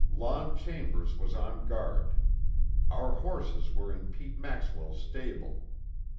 Lon Chambers was on guard. Our horses were in Pete Maxwell's stable.